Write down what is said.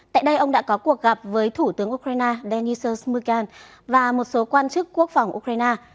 tại đây ông đã có cuộc gặp với thủ tướng ukraine denis smugan và một số quan chức quốc phòng ukraine